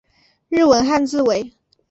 日文汉字为。